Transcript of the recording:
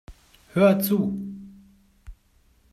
Hör zu!